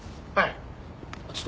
「はい」